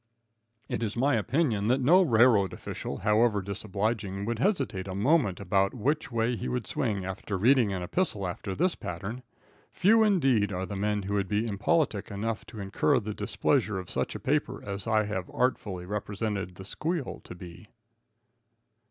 It is my opinion that no railroad official, however disobliging, would hesitate a moment about which way he would swing after reading an epistle after this pattern. Few, indeed, are the men who would be impolitic enough to incur the displeasure of such a paper as I have artfully represented "The Squeal" to be.